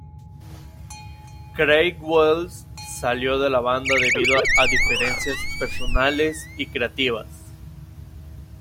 Craig Wells salió de la banda debido a diferencias personales y creativas.